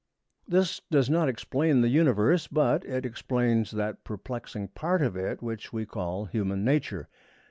This does not explain the Universe, but it explains that perplexing part of it which we call Human Nature.